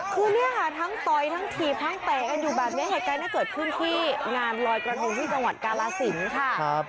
คือเนี่ยค่ะทั้งปล่อยทั้งทีปทั้งแตกันอยู่แบบนี้หากใกล้น่าเหิดขึ้นที่งานลอยกระหนูที่จังหวัดกาลาศิลป์ค่ะ